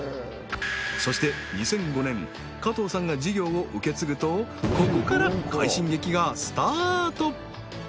そして２００５年加藤さんが事業を受け継ぐとここから快進撃がスタート